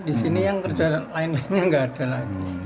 di sini yang kerja lain lainnya nggak ada lagi